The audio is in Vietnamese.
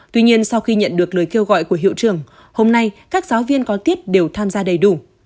tuy nhiên sau khi nhận được lời kêu gọi của hiệu trưởng hôm nay các giáo viên có tiếp đều tham gia đầy đủ